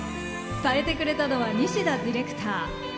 伝えてくれたのは西田ディレクター。